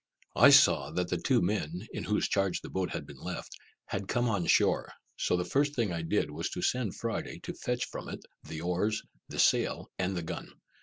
I saw that the two men, in whose charge the boat had been left, had come on shore; so the first thing I did was to send Friday to fetch from it the oars, the sail, and the gun.